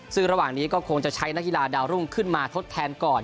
ซึ่งระหว่างนี้ก็คงจะใช้นักกีฬาดาวรุ่งขึ้นมาทดแทนก่อน